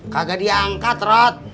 kagak diangkat rot